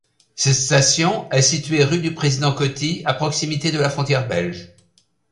Cette station est située rue du président-Coty, à proximité de la frontière belge.